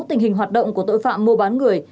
tình hình hoạt động của tội phạm mua bán người